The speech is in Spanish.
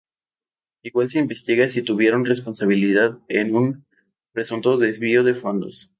Igual se investiga si tuvieron responsabilidad en un presunto desvío de fondos.